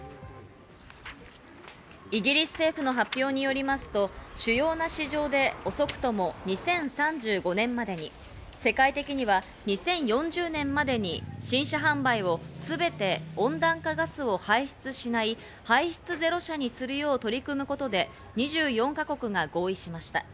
イギリス政府の発表によりますと、主要な市場で遅くとも２０３５年までに、世界的には２０４０年までに新車販売を全て温暖化ガスを排出しない排出ゼロ車にするよう取り組むことで２４か国が合意しました。